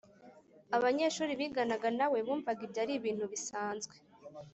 Abanyeshuri biganaga na we bumvaga ibyo ari ibintu bisanzwe